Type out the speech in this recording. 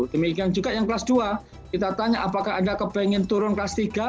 demikian juga yang kelas dua kita tanya apakah anda kepengen turun kelas tiga